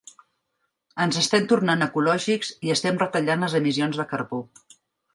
Ens estem tornant ecològics i estem retallant les emissions de carbó.